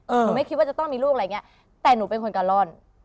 หนูไม่คิดว่าจะต้องมีลูกอะไรอย่างเงี้ยแต่หนูเป็นคนกะล่อน